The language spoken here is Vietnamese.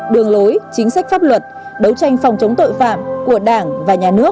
đường lối chính sách pháp luật đấu tranh phòng chống tội phạm của đảng và nhà nước